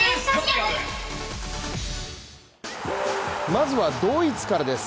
まずはドイツからです。